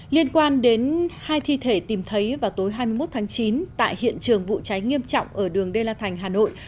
liên quan đến hai thi thể tìm thấy vào tối hai mươi một tháng chín tại hiện trường vụ cháy nghiêm trọng ở đường đê la thành hà nội